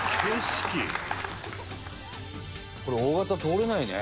「これ大型通れないね」